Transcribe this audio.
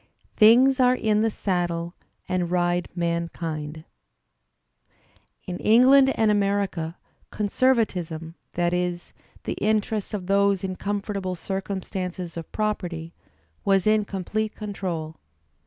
"Things are in the saddle and ride mankind." In England and America, conservatism, that is, the interests of those in comfortable circumstances of property, was in complete control.